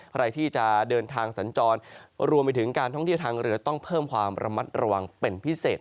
ใครที่จะเดินทางสัญจรรวมไปถึงการท่องเที่ยวทางเรือต้องเพิ่มความระมัดระวังเป็นพิเศษ